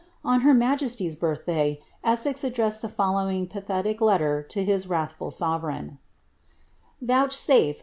On her majesty's birthday Essex addressed the foUoiniig pathetic letter to hia wrathful sovereign :— "^'ouclifBre.